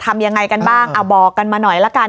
ทำยังไงกันบ้างเอาบอกกันมาหน่อยละกัน